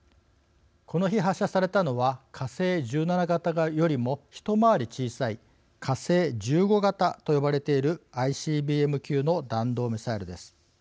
この日発射されたのは火星１７型よりも一回り小さい火星１５型と呼ばれているＩＣＢＭ級の弾道ミサイルです。